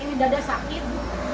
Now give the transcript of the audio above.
ini dada sakit